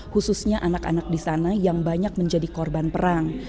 khususnya anak anak di sana yang banyak menjadi korban perang